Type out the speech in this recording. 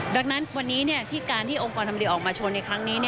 ดังนั้นวันนี้ที่การที่องค์กรทำดีออกมาโชว์ในครั้งนี้